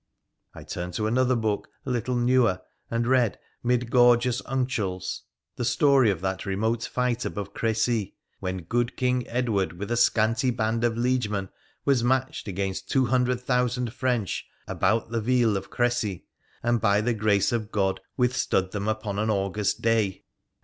I turned tc another book, a little newer, and read, 'mid gorgeous uncials ; the story of that remote fight above Crecy, ' when good King Edward, with a scanty band of liegemen, was matched against two hundred thousand French abou ye ville of Crecy, and by the Grace of God withstood them upon an August day •— and PURA THE PIICENICI.